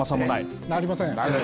ありません。